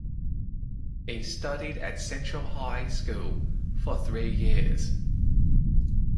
He studied at Central High School for three years.